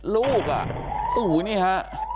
ลูกอ่ะโอ้โหนี่ฮะ